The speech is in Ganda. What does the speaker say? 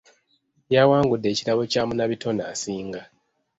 Yawangudde ekirabo kya munnabitone asinga.